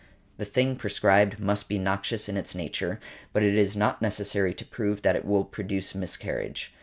The thing prescribed must be noxious in its nature, but it is not necessary to prove that it will produce miscarriage .